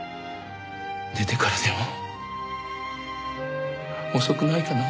出てからでも遅くないかな？